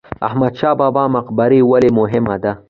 احمد شاه بابا مقبره ولې مهمه ده؟